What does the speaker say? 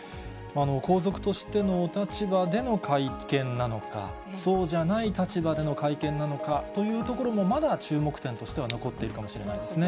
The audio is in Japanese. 皇族としてのお立場での会見なのか、そうじゃない立場での会見なのかというところも、まだ注目点としては残っているかもしれないですね。